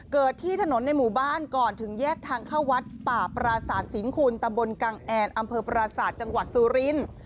เกิดที่ถนนในหมู่บ้านก่อนถึงแยกทางเข้าวัดป่าปราศาสตร์สิงคุณตำบลกังแอนอำเภอปราศาสตร์จังหวัดสุรินทร์